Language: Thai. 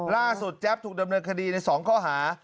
ล่าสุดแจ๊บถูกดำเนินคดีในสองข้อหา